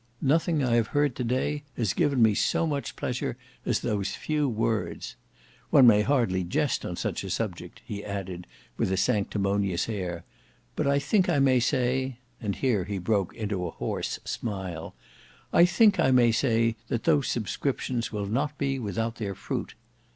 Nothing I have heard to day has given me so much pleasure as those few words. One may hardly jest on such a subject," he added with a sanctimonious air; "but I think I may say"—and here he broke into a horse smile—"I think I may say that those subscriptions will not be without their fruit."